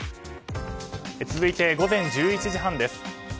続いて午前１１時半です。